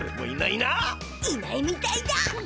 いないみたいだ。